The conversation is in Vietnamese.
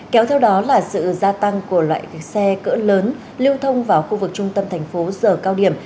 kéo theo đó là sự gia tăng của loại xe cỡ lớn lưu thông vào khu vực trung tâm thành phố giờ cao điểm